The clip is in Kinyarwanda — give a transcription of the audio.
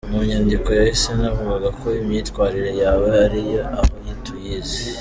Mu nyandiko yahise navugaga ko imyitwarire yawe hari aho tuyizi.